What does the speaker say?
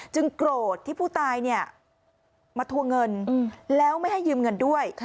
โกรธที่ผู้ตายมาทวงเงินแล้วไม่ให้ยืมเงินด้วย